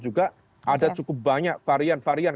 juga ada cukup banyak varian varian